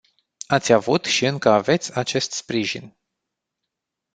Ați avut și încă aveți acest sprijin.